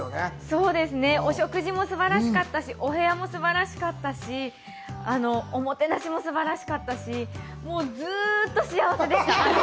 そうですね、お食事もすばらしかったし、お部屋もすばらしかったし、おもてなしもすばらしかったし、もうずっと幸せでした。